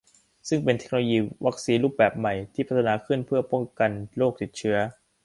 ซึ่งเป็นเทคโนโลยีวัคซีนรูปแบบใหม่ที่พัฒนาขึ้นเพื่อป้องกันโรคติดเชื้อ